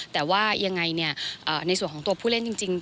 แต่ว่ายังไงในส่วนของตัวผู้เล่นจริง